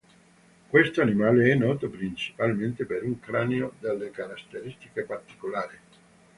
Questo animale è noto principalmente per un cranio dalle caratteristiche particolari.